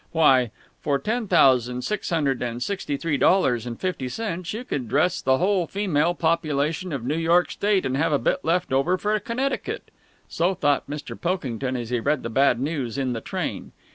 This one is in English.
Why, for ten thousand six hundred and sixty three dollars and fifty cents you could dress the whole female population of New York State and have a bit left over for Connecticut. So thought Mr. Pilkington, as he read the bad news in the train.